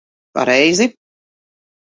Pareizi.